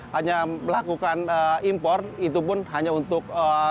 hanya melakukan impor itu pun hanya untuk